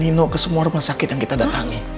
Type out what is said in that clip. nino ke semua rumah sakit yang kita datangi